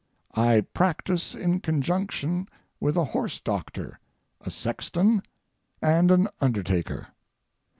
I practise in conjunction with a horse doctor, a sexton, and an undertaker.